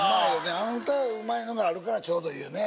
あの歌うまいのがあるからちょうどいいよねね